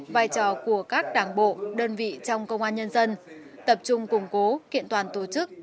vai trò của các đảng bộ đơn vị trong công an nhân dân tập trung củng cố kiện toàn tổ chức